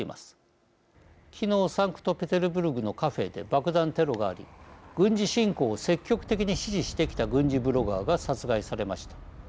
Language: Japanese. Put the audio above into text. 昨日サンクトペテルブルクのカフェで爆弾テロがあり軍事侵攻を積極的に支持してきた軍事ブロガーが殺害されました。